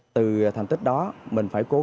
từ thành tích đó mình phải cố gắng